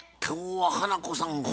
今日は花子さん